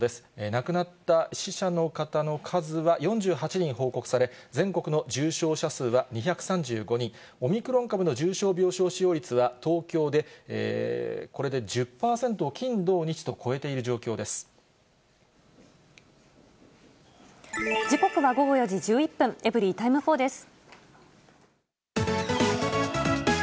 亡くなった死者の方の数は４８人報告され、全国の重症者数は２３５人、オミクロン株の重症病床使用率は、東京でこれで１０％を金、土、時刻は午後４時１１分、エブリィタイム４です。